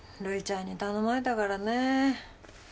瑠衣ちゃんに頼まれたからね。